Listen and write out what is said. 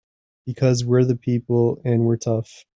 Because we're the people and we're tough!